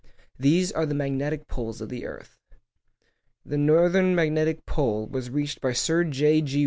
These are the magnetic poles of the earth. The northern magnetic pole was reached by Sir J.